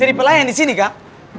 triple a yang disini kak